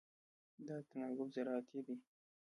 دا تناوب زراعتي دی.